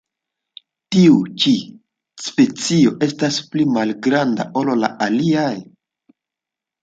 Tiu ĉi specio estas pli malgranda ol la aliaj.